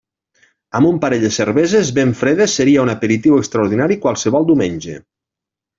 Amb un parell de cerveses ben fredes seria un aperitiu extraordinari qualsevol diumenge.